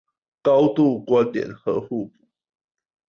高度關聯和互補